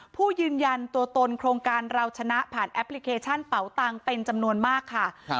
ยืนยันตัวตนโครงการเราชนะผ่านแอปพลิเคชันเป่าตังค์เป็นจำนวนมากค่ะ